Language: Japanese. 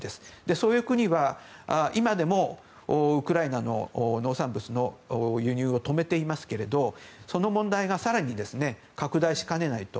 そういう国は今でもウクライナの農産物の輸入を止めていますけれど、その問題が更に拡大しかねないと。